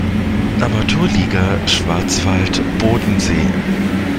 Amateurliga Schwarzwald-Bodensee.